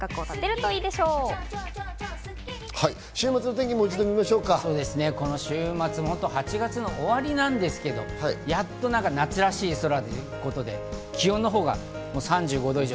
週末の天気をもう一度、週末、８月の終わりなんですけど、やっと夏らしい空、気温が３５度以上。